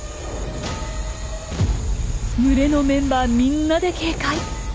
群れのメンバーみんなで警戒。